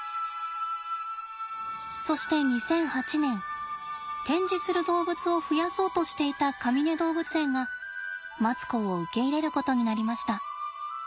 そして２００８年展示する動物を増やそうとしていたかみね動物園がマツコを受け入れることになりました。